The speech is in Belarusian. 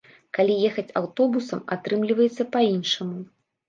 Калі ехаць аўтобусам, атрымліваецца па-іншаму.